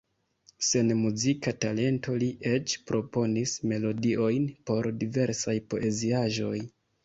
Sen muzika talento li eĉ proponis melodiojn por diversaj poeziaĵoj.